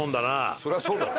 そりゃそうだろ。